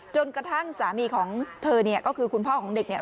จนกระทั่งสามีของเธอก็คือคุณพ่อของเด็กรู้